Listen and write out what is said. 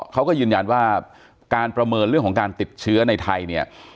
เขาก็ยืนยันว่าการประเมินเรื่องของการติดเชื้อในไทยเนี่ย